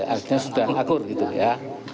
artinya sudah ngakur gitu ya